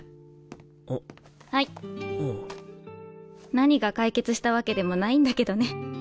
何が解決したわけでもないんだけどね。